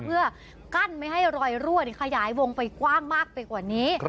เพื่อกั้นไม่ให้รอยรั่วขยายวงไปกว้างมากไปกว่านี้